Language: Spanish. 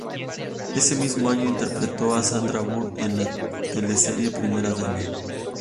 Ese mismo año interpretó a "Sandra Burr" en la teleserie Primera Dama.